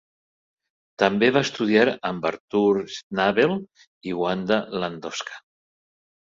També va estudiar amb Artur Schnabel i Wanda Landowska.